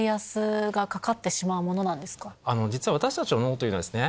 実は私たちの脳というのはですね